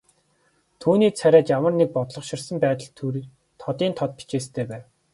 Түүний царайд ямар нэг бодлогоширсон байдал тодын тод бичээстэй байв.